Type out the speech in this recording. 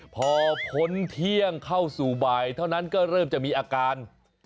พอพ้นเที่ยงเข้าสู่บ่ายเท่านั้นก็เริ่มจะมีอาการ